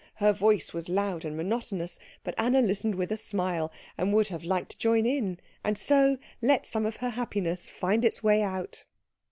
Her voice was loud and monotonous, but Anna listened with a smile, and would have liked to join in, and so let some of her happiness find its way out.